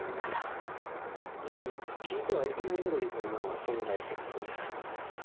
唯一聞いてはいけないメロディーというものが存在するそうです。